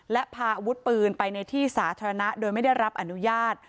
และพาอาวุธปืนไปในที่สาธารณะโดยไม่ได้รับอนุญาต